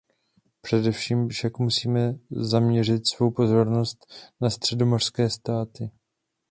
Především však musíme zaměřit svou pozornost na středomořské státy.